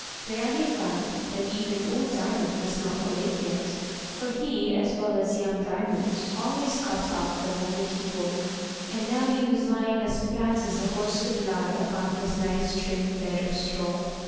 There he found that even old Diamond was not awake yet, for he, as well as young Diamond, always got up the moment he woke, and now he was lying as flat as a horse could lie upon his nice trim bed of straw.